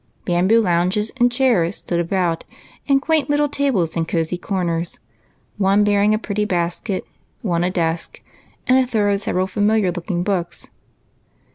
Bamboo lounges and chairs stood about, and quaint little tables in cosey corners ; one bearing a pretty basket, one a desk, and on a third lay several familiar looking books.